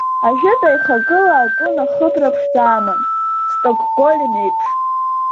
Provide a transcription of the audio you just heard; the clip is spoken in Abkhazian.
Ажәытә аихагыла акун ахыбра ԥшӡа аман, Стокгольм еиԥш.